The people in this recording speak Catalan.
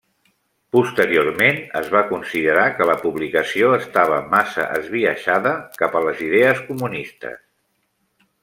Posteriorment es va considerar que la publicació estava massa esbiaixada cap a les idees comunistes.